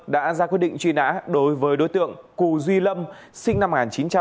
đã ra quyết định truy nã đối với đối tượng cù duy lâm sinh năm một nghìn chín trăm tám mươi